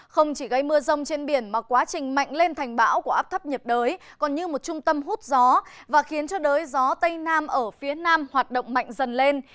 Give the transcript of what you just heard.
không chỉ gây mưa rông trên biển mà quá trình mạnh lên thành bão của áp thấp nhiệt đới còn như một trung tâm hút gió và khiến cho đới gió tây nam ở phía nam hoạt động mạnh dần lên